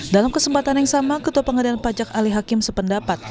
dalam kesempatan yang sama ketua pengadilan pajak ali hakim sependapat